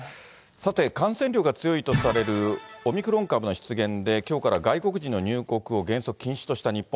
さて、感染力が強いとされるオミクロン株の出現できょうから外国人の入国を原則禁止とした日本。